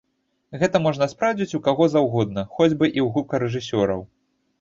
Гэта можна спраўдзіць у каго заўгодна, хоць бы і ў гукарэжысёраў.